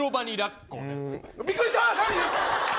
びっくりした。